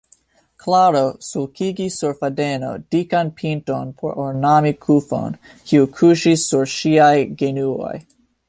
Klaro sulkigis sur fadeno dikan pinton por ornami kufon, kiu kuŝis sur ŝiaj genuoj.